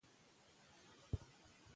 که ښځې ښوونکې شي نو نجونې نه بې سواده کیږي.